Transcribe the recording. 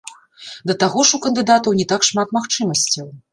Да таго ж у кандыдатаў не так шмат магчымасцяў.